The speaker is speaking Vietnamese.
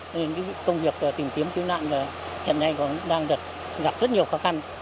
nên cái công việc tìm kiếm tương nạn hiện nay cũng đang gặp rất nhiều khó khăn